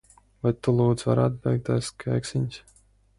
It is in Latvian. Vai tu, lūdzu, varētu beigt ēst kēksiņus?